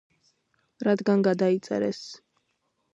რადგან გადაიწერეს